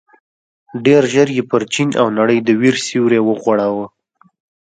ډېر ژر یې پر چين او نړۍ د وېر سيوری وغوړاوه.